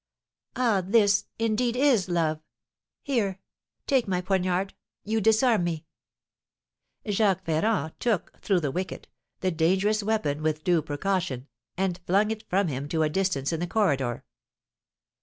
"Ah, this, indeed, is love! Here, take my poniard, you disarm me!" Jacques Ferrand took, through the wicket, the dangerous weapon, with due precaution, and flung it from him to a distance in the corridor.